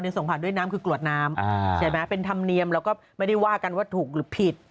ส่งผ่านด้วยน้ำคือกรวดน้ำใช่ไหมเป็นธรรมเนียมแล้วก็ไม่ได้ว่ากันว่าถูกหรือผิด